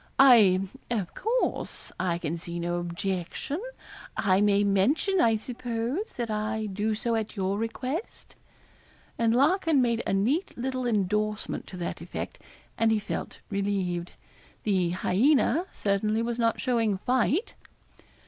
'I of course I can see no objection. I may mention, I suppose, that I do so at your request.' And Larkin made a neat little endorsement to that effect, and he felt relieved. The hyaena certainly was not showing fight.